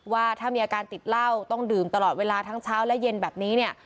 ว่าถ้ามีอาการติดเหล้าต้องดื่มตลอดเวลาทั้งเช้าและเย็นแบบนี้เนี่ย